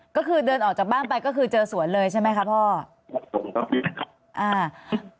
ก็คือเดินออกจากบ้านไปก็คือเจอสวนเลยใช่ไหมครับพ่อ